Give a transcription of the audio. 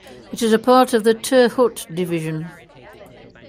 It is a part of the Tirhut Division.